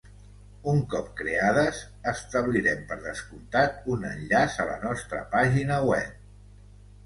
Un cop creades establirem, per descomptat, un enllaç a la nostra pàgina web.